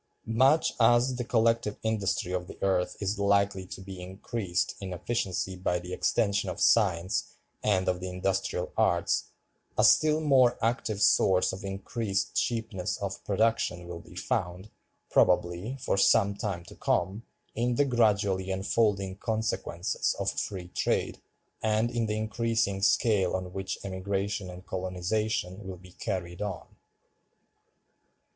Much as the collective industry of the earth is likely to be increased in efficiency by the extension of science and of the industrial arts, a still more active source of increased cheapness of production will be found, probably, for some time to come, in the gradually unfolding consequences of Free Trade, and in the increasing scale on which Emigration and Colonization will be carried on.